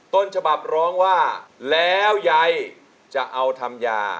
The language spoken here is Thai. ต้นฉบับร้องว่าแล้วยายจะเอาทำยา